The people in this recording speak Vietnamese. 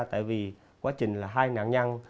tại vì quá trình là hai nạn nhân